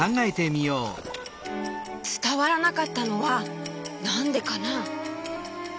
つたわらなかったのはなんでかな？